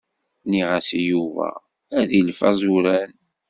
Nniɣ-as i Yuba a ilef azuran.